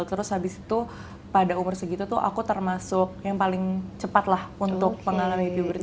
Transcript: terus habis itu pada umur segitu tuh aku termasuk yang paling cepat lah untuk mengalami biobert